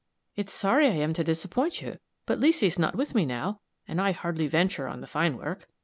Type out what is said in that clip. "It's sorry I am to disappoint you; but Leesy's not with me now, and I hardly venture on the fine work.